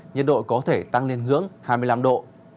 nhật độ có thể tăng lên hướng hai mươi năm độ